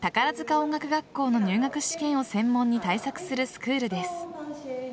音楽学校の入学試験を専門に対策するスクールです。